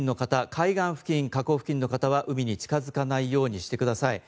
海岸付近、河口付近の方は海に近づかないようにしてください。